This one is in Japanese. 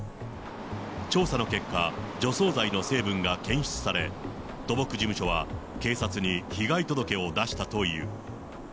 調査の結果、除草剤の成分が検出され、土木事務所は警察に被害届を出したという。